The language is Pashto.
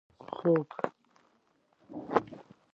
خوب